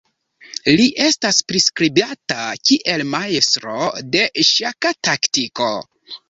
Li estas priskribata kiel majstro de ŝaka taktiko.